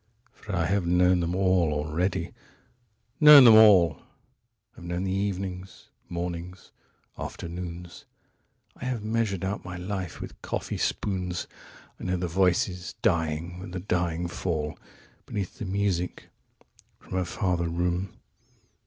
49For I have known them all already, known them all:50Have known the evenings, mornings, afternoons,51I have measured out my life with coffee spoons;52I know the voices dying with a dying fall53Beneath the music from a farther room.